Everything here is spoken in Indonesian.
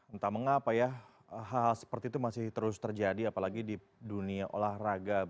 entah mengapa ya hal hal seperti itu masih terus terjadi apalagi di dunia olahraga